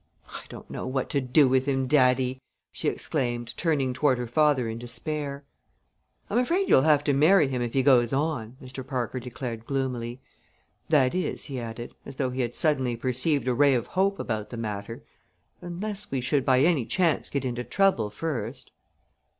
"I don't know what to do with him, daddy!" she exclaimed, turning toward her father in despair. "I'm afraid you'll have to marry him if he goes on," Mr. Parker declared gloomily; "that is," he added, as though he had suddenly perceived a ray of hope about the matter, "unless we should by any chance get into trouble first."